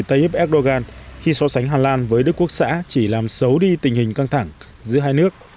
tayyip erdogan khi so sánh hà lan với đức quốc xã chỉ làm xấu đi tình hình căng thẳng giữa hai nước